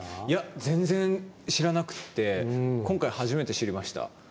全然知らなくって今回、初めて知りました。